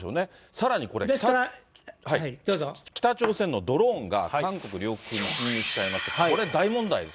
さらにこれ、北朝鮮のドローンが、韓国領空に侵入しちゃいまして、これ、大問題ですよ。